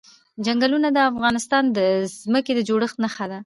چنګلونه د افغانستان د ځمکې د جوړښت نښه ده.